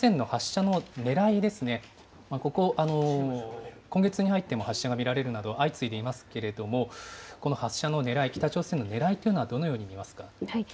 この北朝鮮の発射のねらいですね、ここ、今月に入っても発射が見られるなど、相次いでいますけれども、この発射のねらい、北朝鮮のねらいというのはどのようにいえ